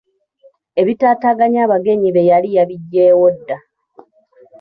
Ebitaataaganya abagenyi be yali yabigyewo dda.